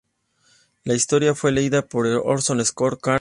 La historia fue leída por Orson Scott Card en persona.